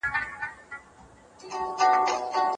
ناروغي په وخت کنټرولېږي.